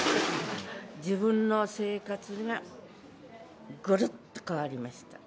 自分の生活がぐるっと変わりました。